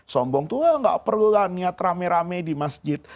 sombong tuhlah gak perlulah niat rame rame di masjid